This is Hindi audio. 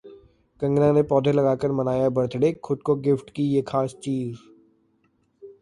कंगना ने पौधे लगाकर मनाया बर्थडे, खुद को गिफ्ट की ये खास चीज